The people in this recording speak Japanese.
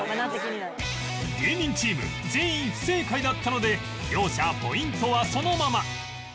芸人チーム全員不正解だったので両者ポイントはそのまま